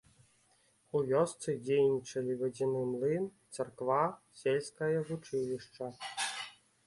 У вёсцы дзейнічалі вадзяны млын, царква, сельскае вучылішча.